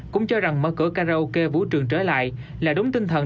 cũng cho rằng mở cửa karaoke vũ trường trở lại là đúng tinh thần